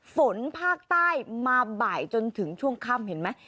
ฝนภาคใต้มาบ่ายจนถึงช่วงค่ำเห็นไหม